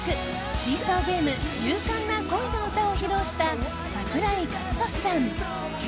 「シーソーゲーム勇敢な恋の歌」を披露した桜井和寿さん。